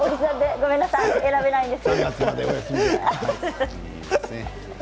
ごめんなさい選べないんです。